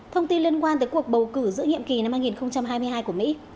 thông tin liên quan tới cuộc bầu cử giữa nhiệm kỳ năm hai nghìn hai mươi hai của mỹ